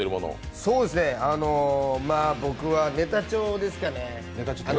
僕はネタ帳ですかね。